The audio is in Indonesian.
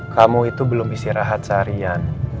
kamu itu belum istirahat seharian